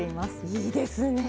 いいですね。